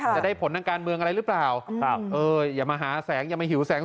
จะได้ผลทางการเมืองอะไรหรือเปล่าครับเอออย่ามาหาแสงอย่ามาหิวแสง